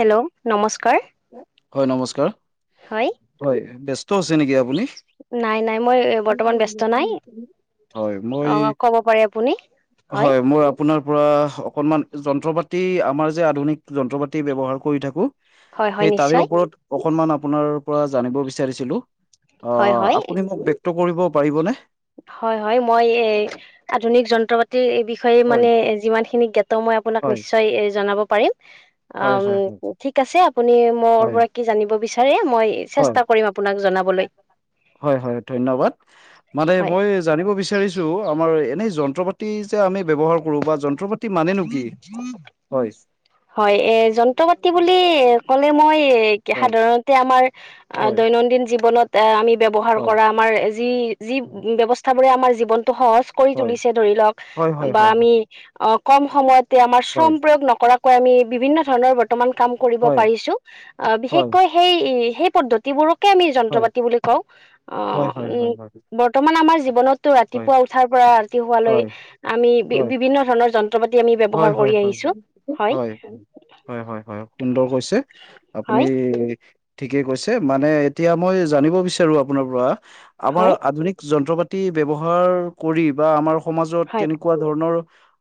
Hello নমস্কাৰ হয় নমস্কাৰ হয় হয় ব্যস্ত আছে নেকি আপুনি? নাই নাই মই বৰ্তমান ব্যস্ত নাই হয় অ মই ক'ব পাৰে আপুনি হয় মোৰ আপোনাৰ পৰা অকনমান য- যন্ত্ৰ পাতি আমাৰ যে আধুনিক যন্ত্ৰ পাতি ব্যৱহাৰ কৰি থাকোঁ। হয় হয় সেই তাৰে নিশ্চয় ওপৰত অকনমান আপোনাৰ পৰা জানিব বিচাৰিছিলোঁ। অ হয় হয় আপুনি মোক ব্যক্ত কৰিব পাৰিবনে। হয় হয় মই এ আধুনিক যন্ত্ৰ পাতিৰ এই বিষ- ষয়ে হয় মানে যিমানখিনি জ্ঞাত মই আপোনাক হয় নিশ্চয় জনাব পাৰিম। অ হয় হয় হয় ঠিক আছে আপুনি মোৰ হয় পৰা কি জানিব বিচাৰে? মই হয় চেষ্টা কৰিম আপোনাক জনাবলৈ হয় হয় ধন্যবাদ মানে হয় মই জানিব বিচাৰিছো আমাৰ এনেই যন্ত্ৰ পাতি যে আমি ব্যৱহাৰ কৰোঁ বা যন্ত্ৰ পাত- মানে নো কি? হয় এ যন্ত্ৰ পাতি বুলি ক'লে মই হয় সাধাৰণতে আমাৰ হয় দৈনন্দিন জীৱনত আমি ব্যৱহাৰ হয় কৰা আমাৰ যি যি হয় ব্যৱস্থা আমাৰ জীৱনতটো সহজ কৰি হয় তুলিছে ধৰি লওক হয় হয় বা হয় হয় আমি অ কম সময়ত আমাৰ হয় শ্ৰম প্ৰয়োগ নকৰাকৈ আমি বিভিন্ন ধৰণৰ বৰ্তমান কাম কৰিব হয় পাৰিছো, আহ হয় বিশেষকৈ সেই-সেই পদ্ধতিবোৰক এটোকে আমি যন্ত্ৰ হয় পাতি বুলি কওঁ, হয় অ', হয় হয় হয় উম, বৰ্তমান আমাৰ জীৱনত ৰাতিপুৱা উঠাৰ পৰা ৰাতি শুৱালই হয় আমি হয় বি-বিভিন্ন ধৰণৰ যন হয়, হয়, হয়, হয়, হয়, হয়, হয়। সুন্দৰ কৈছে, আপুনি হয়, ঠিকেই কৈছে মানে এতিয়া মই জানিব বিচাৰো আপোনাৰ পৰা, আমাৰ হয়, আধুনিক যন্ত্ৰ পাত তি ব্যৱহাৰ, কৰি বা আমাৰ সমাজত হয়, কেনেকুৱা ধৰণৰ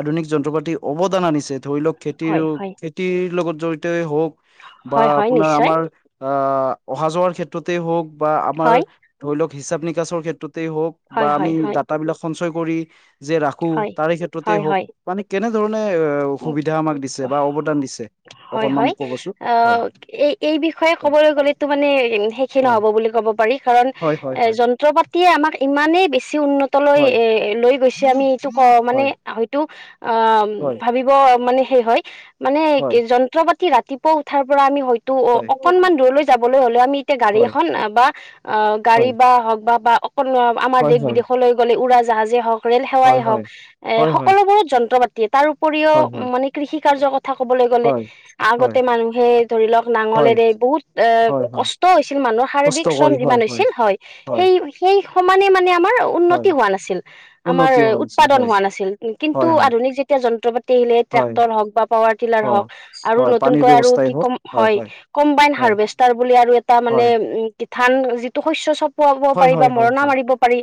আধুনিক যন্ত্ৰপা টি অৱদান আনিছে ধৰি লওক হয়, হয়, খেতিৰ-খেতিৰ লগত জড়িত হওক। বা হয়, হয়, আপোনাৰ নিশ্চয়। আমাৰ আহ, অহা যোৱাৰ ক্ষেত্ৰতেই হওক বা আমাৰ, হয়, ধৰি লওক হিচাপ নিকাচৰ ক্ষেত্ৰত তে হক বা হয়, আমি হয়, হয়, ডাটা বিলাক সঞ্চয় কৰি, যে ৰাখো হয়, তাৰে ক্ষেত্ৰতে হয়, হওক হয়, মানে মানে মোক সুবিধা আমাক দিছে বা অৱদান দিছে। হয়, অকনমান হয়, ক'বচোন হয় আহ এ-এই বিষয়ে হয় ক'বলৈ গ'লেতো মানে শেষয়ে হয় নহ'ব বুলি ক'ব পাৰি কাৰণ, হয় হয় এ হয় যন্ত্ৰপাতি আমাক ইমানে বেছি উন তলৈ এ এ লৈ গৈছে আমি এইটো কওঁ মানে হয় হয়তো আহ হয় ভাবিব মানে কি হয় মানে হয় যন্ত্ৰপাতি ৰাতিপুৱা উঠাৰ পৰা আমি হ ত' অ', হয় অকনমান দূৰলৈ যাবলৈ হ'লে আমি এতিয়া গাড়ী হয় হয় এখন বা আহ হয় গাড়ী বা হওক বা বা। আমাৰ দেশ হয় বিদেশলৈ গ'লে উৰা জাহাজেই হওক ৰেল সেৱাই হওক, হয় হয় এ হয় হয় সকলোবোৰ যন্ত্ৰপা তাৰ উপৰিও হয় হয় হয় মানে কৃষিকাৰ্য হওক কথা কবলৈ গ'লে হয় আগতে মানুহে ধৰি লওক হয় হয় নাঙলেৰে বহুত এ হয় হয় কষ্ট হৈছিল মানুহৰ কষ্ট শাৰীৰিক শ্ৰম কৰি হয় যিমান হৈছিল হয় সেই সেই সমানে মানে আমাৰ হয় উন্নতি হোৱা নাছিল, আমাৰ উন্নতি হোৱা নাছিল উৎপাদন হয় হোৱা নাছিল, কিন্তু হয় হয় আধুনিক যে যন্ত্ৰপাতি [unintelligible] হয় ট্ৰেক্টৰ হওঁক বা পোৱাৰ টিলা অ হওঁক, আৰু হয় পানীৰ নতুনকে আৰু ব্যৱস্থাই কি হওক কম, হয়। কম্বাইন হয় হাৰভেষ্টাৰ বুলি আৰু এটা মানে উম [unintelligible] যিটো শস্য চ খোৱা বোৱা হয় হয় পাৰিবা হয় হয় মৰণা মাৰিব পাৰি,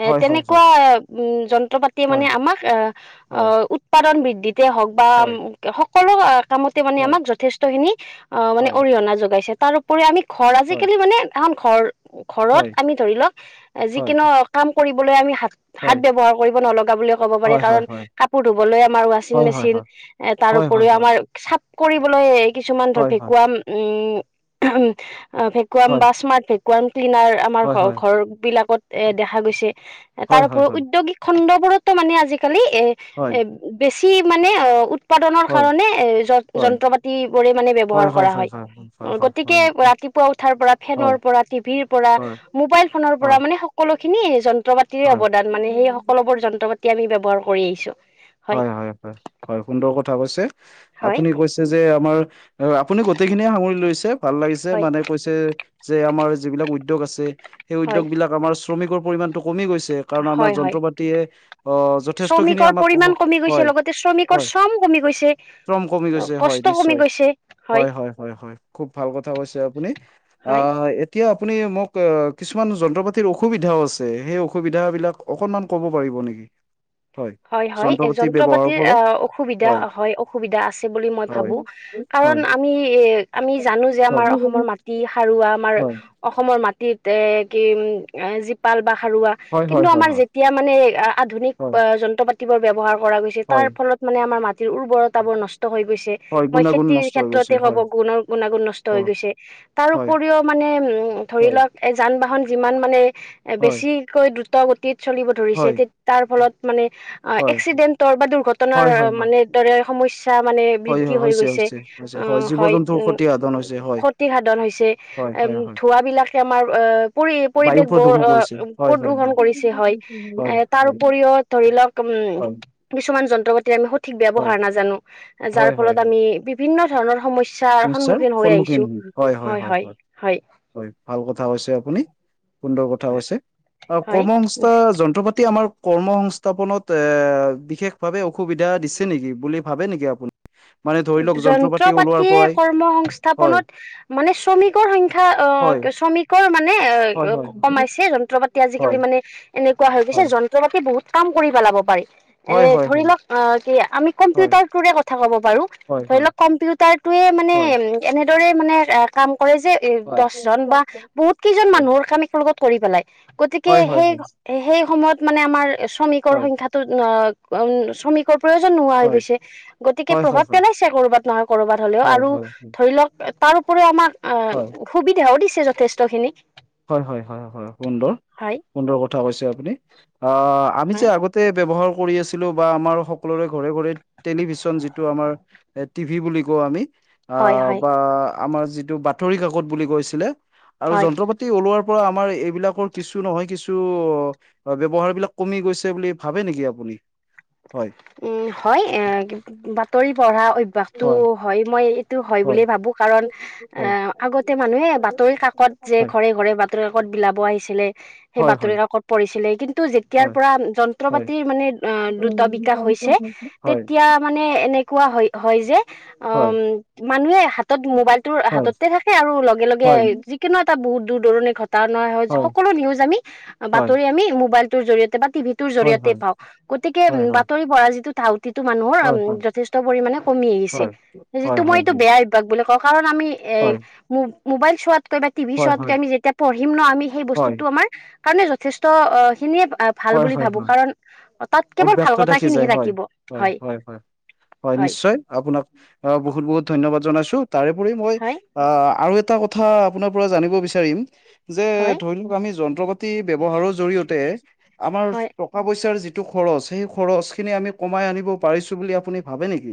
এহ হয় হয় হয় তেনেকুৱা যন্ত্ৰ পাতি হয় মানে আমাক হয় আহ উৎপাদন বৃদ্ধিতে হওক বা হয় হয় সকলো আ কামতে মানে আমাক যথেষ্ট খিনি অ', হয় মানে হয় অৰিহণা যোগাইছে তাৰওপৰি আমি ঘৰ হয় আজিকালি মানে এখন ঘৰ, ঘৰত হয় আমি ধৰি লওক যিকোনো কাম কৰি [unintelligible] আমি হাত-হাত ব্যৱহাৰ কৰিব নলগা বুলিও কব পাৰি হয় হয় হয় হয় হয় কাৰণ কাপোৰ ধু [unintelligible] আমাৰ হয় ৱাচিং হয় মেচিন এ তাৰ হয় হয় হয় হয় হয় উপৰিও আমাৰ হয় চাফ কৰিবলৈ কিছুমান ধৰ ভেকুৱাম উম, ভেকুৱাম হয় বা স্মাৰ্ট ভেকুৱাম ক্লিনাৰ আমাৰ হয় হয় ঘ-ঘৰ বিলাকত এ দেখা গৈছে, হয় তাৰ হয় উপৰিও হয় উদ্যোগিক খণ্ড ওপৰতো মানে আজিকালি এ হয় এ বেছি মানে উৎপাদনৰ হয় কাৰণে এ হয় য-যন্ত্ৰপাতি বোৰে মানে ব্যৱহাৰ কৰা হয়। হয় হয় হয় হয় হয় হয় হয় গতিকে ৰাতিপুৱা উঠাৰ পৰা ফেনৰ পৰা টিভিৰ পৰা মোবাইল ফোনৰ পৰা মানে সকলো খিনি যন্ত্ৰপাতিৰে হয় অৱদান মানে সেই সকলোবোৰ যন্ত্ৰপাতি আমি ব্যৱহাৰ কৰি আহিছোঁ। হয়, হয়, হয়, হয় সুন্দৰ কথা কৈছে। হয় আপুনি কৈছে যে আমাৰ আপুনি গোটেইখিনিয়ে সামৰি লৈছ ভাল লাগিছে হয় মানে কৈছে, যে আমাৰ যিবিলাক উদ্যগ আছে সেই হয় উদ্যোগ বিলাক আমাৰ শ্ৰমিকৰ পৰিমাণটো কমি গৈছ ছে কাৰণ আমাৰ হয় হয় যন্ত্ৰপাতিয়ে অ', যথেষ্ট খিনি শ্ৰমিকৰ আমাক পৰিমাণ সহ- কমি গৈছে হয় লগতে শ্ৰমিকৰ হয় শ্ৰম কমি গৈছে, শ্ৰম কমি গৈছে হয় কষ্ট কমি নিশ্চয় গৈছে, হয়। হয়, হয়, হয়, খুব ভাল কথা কৈছে আপুনি, হয়। আহ এ এতিয়া আপুনি মোক কিছুমান যন্ত্ৰ পাতিৰ অসুবিধাও আছে সেই অসুবিধাবিলাক অকণমান ক'ব পাৰিব? নেকি হয়- হয় হয় পাতি যন্ত্ৰ ব্যৱহাৰৰ পাতিৰ অ ফলত অসুবিধা হয় অসুবিধা আছে বুলি মই হয়, ভাবো কাৰণ হয়, আমি এ আমি জানোঁ যে হয়, আমাৰ অসমৰ মাটি সাৰুৱা আমাৰ হয়। অসমৰ মাটি- এ কিম এ জীপাল বা- সাৰুৱা হয়, হয়, কিন্তু হয়, আমাৰ হয়, যেতিয়া মানে আধুনিক হয়, যন্ত্ৰ পাতিবোৰ ব্যৱহাৰ- পৰা গৈছে হয়, তাৰ ফলত মানে আমাৰ উৰ্বৰতা বোৰ নষ্ট হৈ গৈছে হয়, মই গুণাগুণ খেতিৰ নষ্ট হৈ গৈছে, ক্ষেত্ৰতে কব হয়, গ- গু গুণাগুণ ন হৈ হয়, গৈছে তাৰ হয়, উপৰিও মানে উ ধৰি হয়, লওক এ যান বাহন- যিমান মানে এ হয়, বেছিকৈ দ্ৰুত গতিত চলিব ধৰিছে হয়, হয়, তাৰ ফলত মানে- অ হয়, এক্সিডেণ্টৰ বা দুৰ্ঘটনাৰ হয়, হয়, হয়, মানে দৰে সমস্যা - তা মানে হয় বৃদ্ধি হৈ হৈছে, গৈছে হৈছে, হৈছে, অ জীৱ হয় জন্তুৰ উ ক্ষতি সাধন হৈছে, হয়, ক্ষতি সাধন হৈছে- হয়, হয়, হয়, ধোঁৱাবলাকে আমাৰ আহ পৰি বায়ু পৰিৱেশ বৰ প্ৰদূষণ কৰিছে, হয়, হয়, প্ৰদূষন হয়। কৰিছে হয়। হয়, এ তাৰ হয়। উপৰিও ধৰি লওক উম হয় কিছুমান যন্ত্ৰ পাতি আমি- ঠিক হয় ব্যৱহাৰ নাজানো হয় যাৰ হয় ফলত হয় আমি বিভিন্ন ধৰণৰ সমস্যা - ছাৰ সন্মুখীন হৈ আহিছোঁ হয় হয় হয়- ভাল কথা কৈছে আপুনি সুন্দৰ কথা হৈছে আহ কৰ্ম হয় সংংস্থা যন্ত্ৰ পাতি আমাৰ। কৰ্ম সংস্থাপনত এ বিশেষ ভাৱে অসুবিধা দিছে নেকি বুলি ভাবে নেকি আপুনি? মানে ধৰি লওক যন্ত্ৰ পাতি ওলোৱাৰ- পৰাই কৰ্ম হয় সংস্থাপনত মানে শ্ৰমিকৰ সংখ্যা অ হয় শ্ৰমিকৰ হয় মানে- হয় কমাইছে যন্ত্ৰ পাতি আজিকালি হয় মানে এনেকুৱা হৈ গৈছে হয় যন্ত্ৰ পাতি বহুত কাম কৰি পেলাব পাৰি - এ হয় হয় ধৰি লওক অ কি আমি হয় কম্পিউটাৰ টোৰে কথা ক'ব পাৰোঁ - হয় ধৰি হয় লওক কম্পিউটাৰটয়ে মানে হয় উ এনেদৰে মানে কাম- কৰে যে এ হয় দহজন বা বহুত কেইজন মানুহৰ কাম এক লগত কৰি পেলাই- গতিকে হয় হয় হয় হয় সেই হয় সেই সময়ত মানে আমাৰ শ্ৰমিকৰ হয় সংখ্যাটো অ- উ শ্ৰমিকৰ প্ৰয়োজন নোহোৱা হৈ গৈছে গতিকে হয় হয় হয় হয় হয় প্ৰভাৱ। হয় পেলাইছে কৰবাত নহয় কৰবাত হলেও হয় আৰু হয় ধৰি লওক তাৰ উপৰিও আমাক অ সুবিধাও দিছে যথেষ্টখিনিক- হয় হয় হয় হয় সুন্দৰ সুন্দৰ কথা কৈছে আপুনি- অ আমি যে হয় আগতে ব্যৱহাৰ- কৰি আছিলোঁ বা আমাৰ সকলোৰে ঘৰে ঘৰে টেলিভিশন যিটো আমাৰ টিভি বুলি কওঁ আমি- হয় আহ হয় বা আমাৰ যিটো বাতৰি কাকত বুলি কৈছিলে আৰু হয় যন্ত্ৰ পাতি- পৰা আমাৰ এইবিলাকৰ কিছু নহয় কিছু অ ব্যৱহাৰ বিলাক কমি গৈছে বুলি ভাবে নেকি আপুনি? [inaudible] উম হয় এ বাতৰি পঢ়া অভ্যাসটো হয় মই এইটো হয় বুলিয়ে ভাবোঁ - কাৰণ অ হয়। আগতে মানুহে বাতৰি কাকত যে হয়, ঘৰে ঘৰে - ঘৰে বাতৰি কাকত বিলাব আহিছিলে সেই হয়, বাতৰি হয়, কাকত পঢিছিলে- টো যেতিয়াৰ হয়, পৰা যন্ত্ৰ হয়, পাতিৰ মানে অ দ্ৰত- হৈছে হয়, হয়, তেতিয়া মানে এনেকুৱা হয় হয় যে উ হয়, মানুহে- হাতত মোবাইলটোৰ হয়, হয়, হাততে থাকে আৰু লগে লগে হয়, যিকোনো এটা বহুত দূৰ দূৰণিৰ ঘ- টনা নহয় হয়, সকলো নিউজ আমি বাতৰি আমি মোবাইল টোৰ জৰিয়তে- বা টিভি তৰ হয়, হয়, হয়, জৰিয়তে পাওঁ গতিকে উ হয়, হয়। বাতৰি পঢ়া যিটো ধাউতি - যিটো মানুহৰ উম হয় যথেষ্ট পৰিমাণে কমি আহিছে হয় হয় যিটো মই হয় এইটো হয় বেয়া অভ্যাস বুলি কওঁ কাৰণ- আমি এই হয় মোবাইল চোৱা। কৈ বা টিভি হয় চোৱাতকৈ হয় আমি যেতিয়া পঢ়িম ন আমি সেই হয় বস্তুতটো আমাৰ কাৰণে যথেষ্ট অ খিনিয়ে অ ভাল হয় বুলি হয় ভাবো হয় কাৰণ তাত কেৱল ভাল অভ্যাসটো কথা থাকি হয় খিনিহে থাকিব হয় হয় হয় নিশ্চয় আপোনাক বহুত বহুত ধন্যবাদ জনাইছো তাৰেপৰি মই হয় আহ আৰু এটা কথা আপোনাৰ পৰা জানিব বিচাৰিম। যে হয় ধৰি লওক আমি যন্ত্ৰ পাতি ব্যৱহাৰৰ জৰিয়তে আমাৰ হয় টকা পইচাৰ যি। খৰচ সেই খৰচ খিনি আমি কমাই আনিব পাৰিছো বুলি আপুনি ভাবে নেকি।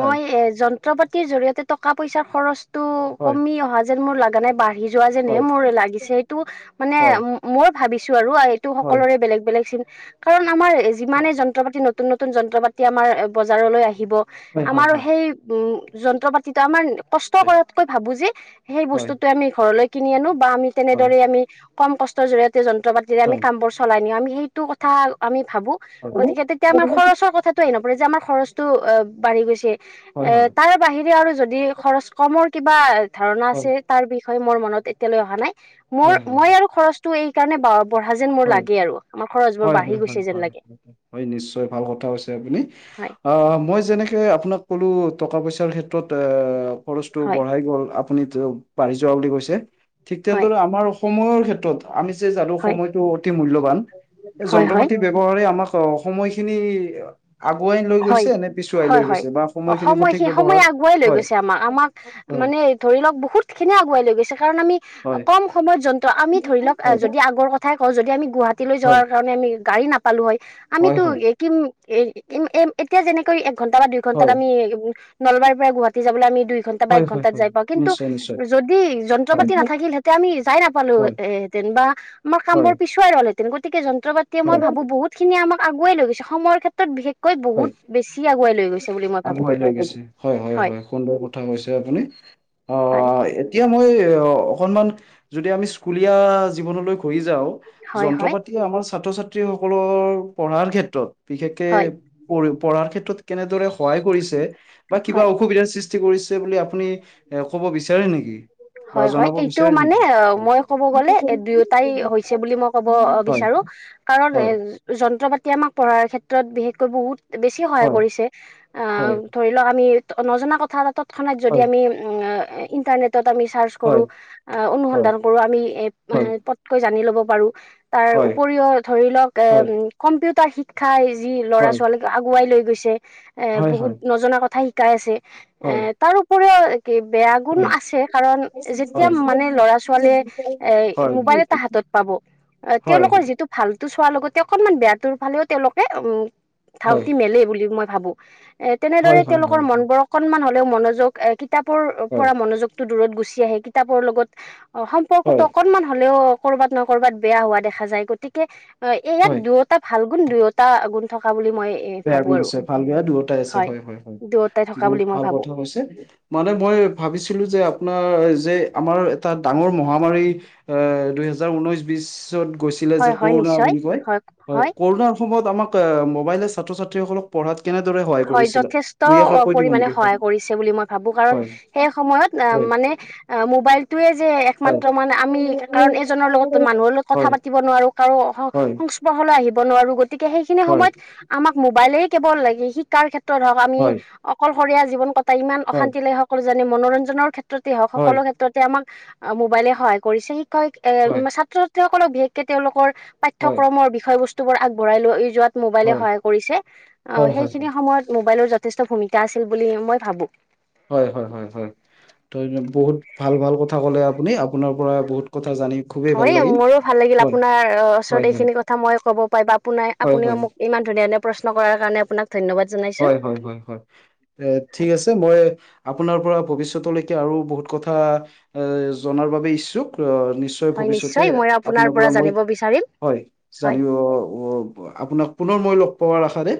হয় এ যন্ত্ৰ পাতিৰ জৰিয়তে টকা পইচাৰ খৰচতটো হয় কমি অহা যেন মোৰ লগা নাই বাঢ়ি যোৱা যেনহে হয় মোৰ লাগিছে সটো মানে হয় মই ভাবিছো আৰু এইটো হয় সকলোৰে বেলেগ বেলেগ চা কাৰণ আমাৰ যিমানে যন্ত্ৰ পাতি নতুন নতুন যন্ত্ৰ পাতি আমাৰ বজাৰলৈ আহিব। হয় হয় আমাৰ হয় হয় সেই উম যন্ত্ৰ পাতিটো আমাৰ কষ্ট কৰাতকৈ ভাবো যে সেই বস্তু হয় আমি ঘৰলৈ কিনি আনো বা আমি হয় তেনেদৰে আমি কম কষ্টৰ জৰিয়তে যন্ত্ৰ পাতিৰে আমি হয় কাম বোৰ চলাই নিও আমি সেইটো কথা আমি ভাবো গতিকে তেতিয়া আমাৰ খৰচৰ কথাটো হে নপৰে যে আমাৰ খৰচটো অ বাঢ়ি গৈছে এ হয় হয় হয় তাৰ বাহিৰে আৰু যদি খৰচ কমৰ কিবা ধাৰণা হয় আছে তাৰ বিষয়ে মোৰ মনত এতিয়ালৈ অহা নাই মোৰ হয় মই আৰু খৰচটো এই কাৰণে ব। মোৰ হয় লাগে আৰু হয় হয় হয় গৈছে যেন লাগে হয় নিশ্চয় ভাল কথা হৈছে আপুনি হয় আহ মই যেনেকে আপোনাক ক'লো টকা পইচাৰ ক্ষেত্ৰত এ খৰচটো হয় বঢ়াই গ'ল আপোনি বাঢ়ি যোৱা বুলি কৈছে ঠিক হয় তেনেদৰে আমাৰ সময়ৰ ক্ষেত্ৰত আমি যে জানো হয় সময়ত টো অতি মূল্যবান এই হয় যন্ত্ৰ হয় পাতি ব্যৱহাৰে আমাক সময়খিনি আগুৱাই লৈ হয় গৈছে নে পিছুৱাই লৈ হয় গৈছে। বা অ সময়খিনি সময় সঠিক সেই সময়ে ব্যৱহাৰত আগুৱাই লৈ হয় গৈছে আমাক আমাক হয় মানে ধৰি লওক বহুত খিনি আগুৱাই লৈ গৈছে কাৰণ আমি হয় কম সময়ত যন্তু আমি ধৰি লওক হয় হয় যদি আগৰ কথাই কওঁ যদি আমি গুৱাহাটীলৈ হয় যোৱাৰ কাৰণে আমি গাড়ী নাপালো হয় হয় আমিতো একিম। এ এ এতিয়া যেনেকৈ এক ঘণ্টা বা দুই ঘণ্টাত হয় আমি উম নলবাৰীৰ পৰা গুৱাহাটী যাবলৈ আমি দুই ঘণ্টা বা হয় এক হয় ঘণ্টাত হয় যাই পাওঁ কিন্তু নিশ্চয় নিশ্চয় যদি হয় যন্ত্ৰপাতি নাথাকিল হেঁতেন আমি যাই নাপালোঁ‌ হয় হেঁতেন বা আমাৰ হয় কামবোৰ পিছুৱাই গ'ল হেঁতেন গতিকে যন্ত্ৰ যন্ত্ৰ পাতিয়ে মই হয় ভাবোঁ বহুতখিনি আমাক আগুৱাই লৈ গৈছে সময়ৰ ক্ষেত্ৰত বিশেষকৈ বহুত হয় বেছি আগুৱাই লৈ গৈছে। বুলি মই ভাবো আগুৱাই লৈ গৈছে। হয় হয় হয় সুন্দৰ কথা কৈছে আপুনি হয় অহ এতিয়া মই এই অকনমান যদি আমি স্কুলীয়া জীৱনলৈ ঘূৰি যাওঁ হয় যন্ত্ৰ হয় পাতি আমাৰ ছাত্ৰ ছাত্ৰী সকলৰ পঢ়াৰ ক্ষেত্ৰত বিশেষকে হয় পঢ়ি পঢ়াৰ ক্ষেত্ৰত কেনেদৰে সহায় কৰিছে বা কিবা হয় অসুবিধাৰ সৃষ্টি কৰিছে বুলি আপুনি এ ক'ব বিচাৰে নেকি? বা হয় হয় জনাব এইটো বিচাৰে মানে নেকি অ মই ক'ব গলে এ দুয়োটাই হৈছে বুলি মই ক'ব হয় বিচাৰোঁ কাৰণ এ হয় যন্ত্ৰ পাতি তেতিয়া আমাক পঢ়াৰ ক্ষেত্ৰত বিশেষকৈ বহুত বেছি সহায় হয় কৰিছে আহ হয় ধৰি লওক আমি নজনা কথা এটা তৎক্ষণাৎ যদি হয় আমি উম ইণ্টাৰনেটত আমি চাৰ্চ কৰোঁ হয় আ হয় অনুসন্ধান কৰোঁ আমি এ হয় পতকৈ জানি ল'ব পাৰোঁ। তাৰ হয় উপৰিও ধৰি লওক হয় হয় এম কম্পিউটাৰ শিক্ষাই যি ল'ৰা হয় ছোৱালীক আগুৱাই লৈ গৈছে এ হয় হয় বহুত নজনা কথা শিকাই আছে এ হয় তাৰ উপৰিও কি বেয়া গুণ হয় আছে। কাৰণ যেতিয়া হয় মানে ল'ৰা ছোৱালীয়ে এ হয় মোবাইল এটা হাতত পাব অ হয় হয় তেওঁলোকৰ যিটো ভালটো চোৱাৰ লগতে অকনমান বেয়া তোৰ ফালেও তেওঁলোকে উম হয় ধাউতি মেলে বুলি মই ভাবো এ হয় হয় তেনেদৰে হয় তেওঁলোকৰ মনবোৰ অকনমান হ'লেও মনোযোগ এ কিতাপৰ হয় পৰা মনোযোগ দূৰত গুচি আহে কিতাপৰ লগত অ সম্পৰ্কটো হয় অকনমান হ'লেও ক'ৰবাত নহয় ক'ৰবাত বেয়া হোৱা দেখা যায় গতিকে ইয়াত হয় দুয়োটা ভাল গুণ দুয়োটা গুণ থকা বুলি। মই বেয়া ভাবো গুণ আৰু আছে ভাল বেয়া দুয়োটাই আছে হয় হয় হয়। দুয়োটাই থকা বহুত বুলি মই ভাল ভাবো কথা কৈছে মানে মই ভাবিছিলো যে আপোনাৰ যে আমাৰ এটা ডাঙৰ মহামাৰী এ দুহেজাৰ ঊনৈশ বিশ ত গৈছিলে যে, হয় হয় কৰুণা নিশ্চয় বুলি কয়। হয় কৰুণাৰ সময়ত আমাক আমাক মো'বাইল চি ছাত্ৰ ছাত্ৰীসকলক পঢ়াত হয় যথেষ্ট দুই এষাৰ কৈ দিব পৰিমানে নেকি হয় সহায় কৰিছে বুলি মই ভাবো কাৰণ হয় সেই সময়ত এ হয় মানে অহ মোবাইল তোৱে যে হয় একমাত্ৰ মানে আমি কাৰণ এজনৰ লগত মানুহৰ লগত কথা পাতিব নোৱাৰোঁ কাৰো সং হয় হয় হয় সংস্পৰ্শলৈ আহিব নোৱাৰোঁ গতিকে সেইখিনি সময়ত আমাক মোবাইলেই কেৱল শিকাৰ ক্ষেত্ৰ ত আমি হয় অকলশৰীয়া জীৱন কটাই ইমান হয় অশান্তি লাগে সকলো জানেই মনোৰঞ্জনৰ ক্ষেত্ৰত ক্ষেত্ৰতে হওঁক হয় সকলো ক্ষেত্ৰতে আমাক মোবাইলে সহায় কৰিছে শিক্ষ শি হয় ছাত্ৰ-ছাত্ৰী ছাএসকলক বিশেষকে তেওঁলোকৰ হয় পাঠ্যক্ৰমৰ বিষয় বস্তু বোৰ আগবঢ়াই লৈ যোৱাত মোবাইলে হয় সহায় কৰিছে। হয় অহ হয় সেই সময়ত মোবাইলৰ যথেষ্ট ভূমিকা আছিল বুলি মই ভাবো হয় হয় হয় হয় ত বহুত ভাল ভাল কথা কলে আপুনি আপোনাৰ পৰা বহুত কথা জানি খুবেই ভাল হয় লাগিল মোৰো ভাল লাগিল হয় আপোনাৰ ওচৰত হয় হয় এইখিনি কথা মই ক'ব পাৰি বা আপোনাৰ হয় আপুনিও হয় মোক ইমান ধুনীয়া ধুনীয়া প্ৰশ্ন কৰাৰ কাৰণে আপোনাক ধন্যবাদ জনাইছো হয় হয় হয় হয় ঠিক হয় আছে মই আপোনাৰ পৰা ভৱিষ্যতলৈকে আৰু বহুত কথা কথা এ জনাৰ বাবে ইচ্ছুক অহ নিশ্চয় হয় ভৱিষ্যতে নিশ্চয় মই আপোনাৰ পৰা মই জানিব বিচাৰিম হয় হয় জানিব আপোনাক পুনৰ মই লগ পোৱাৰ আশাৰে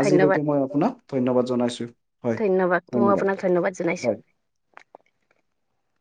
আজি আজিলৈকে ধন্যবাদ মই আপোনাক ধন্যবাদ জনাইছোঁ। হয় মই ধন্যবাদ আপোনাক জনাইছো হয় [inaudible]